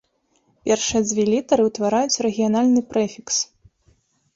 Першыя дзве літары ўтвараюць рэгіянальны прэфікс.